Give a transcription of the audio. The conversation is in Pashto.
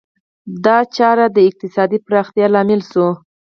دا چاره د اقتصادي پراختیا لامل شوه.